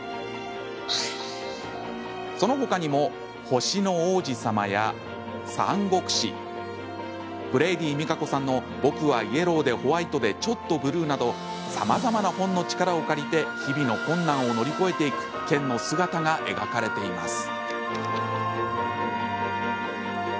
そのほかにも「星の王子さま」や「三国志」ブレイディみかこさんの「ぼくはイエローでホワイトで、ちょっとブルー」などさまざまな本の力を借りて日々の困難を乗り越えていく剣の姿が描かれています。